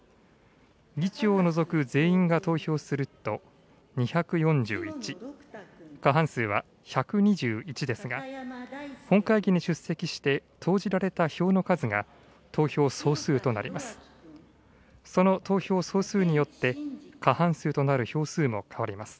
議長を除く全員が投票すると２４１、過半数は１２１ですが、本会議に出席して、投じられた票の数が投票総数となります。